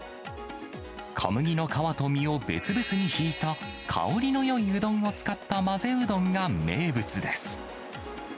小麦の皮と実を別々にひいた、香りのよいうどんを使った混ぜうどんが名物です。